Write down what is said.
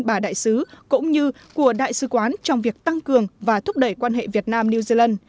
bà đại sứ cũng như của đại sứ quán trong việc tăng cường và thúc đẩy quan hệ việt nam new zealand